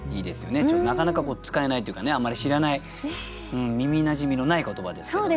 ちょっとなかなか使えないというかあんまり知らない耳なじみのない言葉ですけどもね。